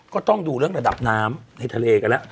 ก็ต้องดูเรื่องระดับน้ำในทะเลกันแล้ว